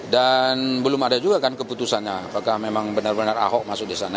dan belum ada juga kan keputusannya apakah memang benar benar ahok masuk di sana